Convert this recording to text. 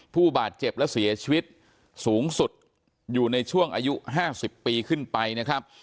ผู้บาดเจ็บและเสียชีวิตสูงสุดอยู่ในช่วงอายุ๕๐ปีขึ้นไปนะครับ